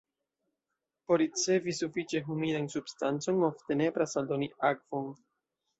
Por ricevi sufiĉe humidan substancon ofte nepras aldoni akvon.